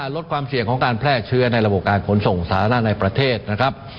ลดความเสี่ยงของการแพร่เชื้อในระบบการขนส่งสาธารณะในประเทศนะครับ